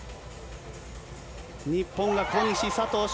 日本が小西と佐藤翔